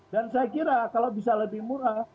dan saya kira kalau bisa lebih murah